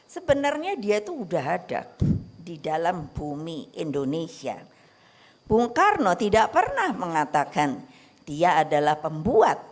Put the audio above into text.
sebenarnya dia tuh udah ada di dalam bumi indonesia bung karno tidak pernah mengatakan dia adalah pembuat